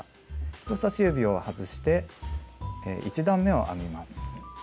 人さし指を外して１段めを編みます。